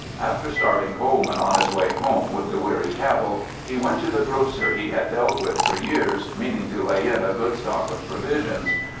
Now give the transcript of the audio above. After starting Coleman on his way home with the weary cattle, he went to the grocer he had dealt with for years, meaning to lay in a good stock of provisions.